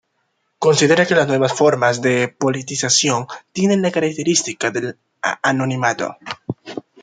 Considera que las nuevas formas de politización tienen la característica del anonimato.